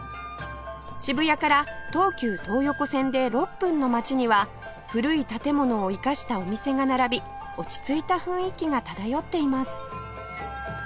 渋谷から東急東横線で６分の街には古い建物を生かしたお店が並び落ち着いた雰囲気が漂っています